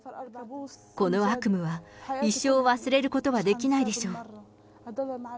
この悪夢は一生忘れることはできないでしょう。